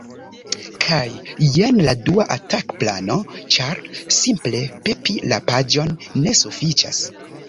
Kaj jen la dua atak-plano ĉar simple pepi la paĝon ne sufiĉas